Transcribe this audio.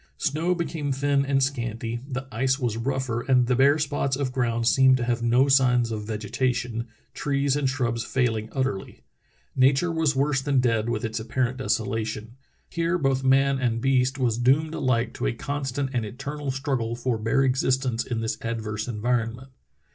Snow became thin and scanty, the ice was rougher, and the bare spots of ground seemed to have no signs of vegetation, trees and shrubs failing utterl}^. Nature was worse than dead with its apparent desolation. Here both man and beast was doomed alike to a constant and eternal struggle for bare existence in this adverse environment.